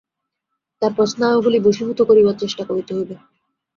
তারপর স্নায়ুগুলি বশীভূত করিবার চেষ্টা করিতে হইবে।